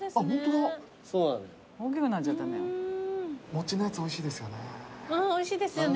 餅のやつおいしいですよね。